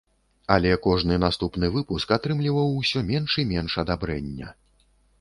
Але кожны наступны выпуск атрымліваў усё менш і менш адабрэння.